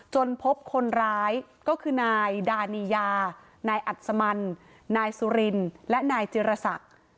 พบคนร้ายก็คือนายดานียานายอัศมันนายสุรินและนายจิรษัก